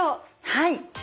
はい。